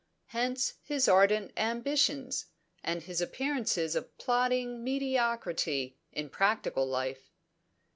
Hence his ardent ambitions, and his appearance of plodding mediocrity in practical life.